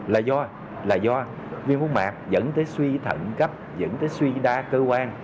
là do là do viêm khuôn mạc dẫn tới suy thận cấp dẫn tới suy đa cơ quan